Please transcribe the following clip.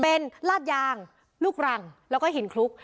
เป็นลาดยางลูกรังแล้วก็หินคลุก